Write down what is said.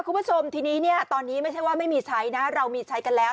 คุณผู้ชมทีนี้เนี่ยตอนนี้ไม่ใช่ว่าไม่มีใช้นะเรามีใช้กันแล้ว